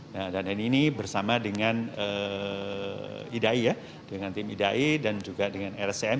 nah dan ini bersama dengan idai ya dengan tim idai dan juga dengan rscm